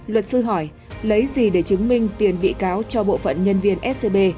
luật sư hỏi lấy gì để chứng minh tiền bị cáo cho bộ phận nhân viên scb